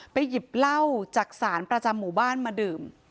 หยิบเหล้าจากสารประจำหมู่บ้านมาดื่ม